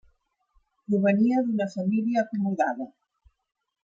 Provenia d'una família acomodada.